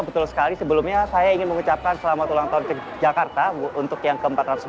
betul sekali sebelumnya saya ingin mengucapkan selamat ulang tahun jakarta untuk yang ke empat ratus empat puluh